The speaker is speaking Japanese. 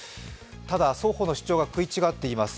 ただ双方の主張が食い違っています。